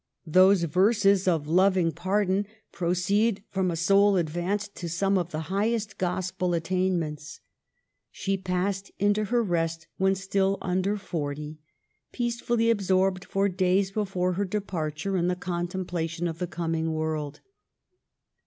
Those verses of loving pardon proceed from a soul advanced to some of the highest Gospel at tainments. She passed into her rest when still under forty, peacefully absorbed for days before her departure in the contemplation of the coming world."